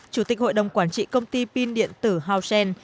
chủ tịch hội đồng quản trị công ty pin điện tử hao shen